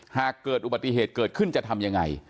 หากเกิดอุบัติเหตุเกิดขึ้นจะทำยังไง